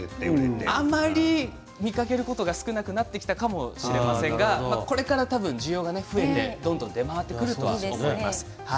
あまり見かけることが少なくなってきたかもしれませんがこれから多分、需要が増えてどんどん出回ってくると思います。